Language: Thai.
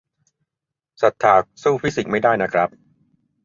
ศรัทธาสู้ฟิสิกส์ไม่ได้นะครับ